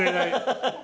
ハハハ。